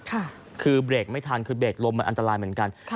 คือเบรกไม่ทันคือเบรกลมมันอันตรายเหมือนกัน